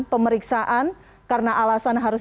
pemeriksaan karena alasan harus